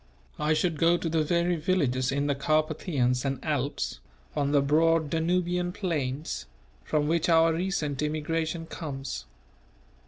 I should go to the very villages in the Carpathians and Alps, on the broad Danubian plains, from which our recent immigration comes.